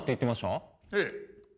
ええ。